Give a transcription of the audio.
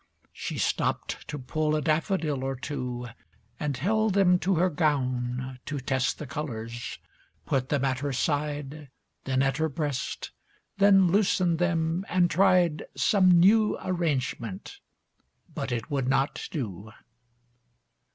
She stopped to pull a daffodil or two, And held them to her gown To test the colours; put them at her side, Then at her breast, then loosened them and tried Some new arrangement, but it would not do.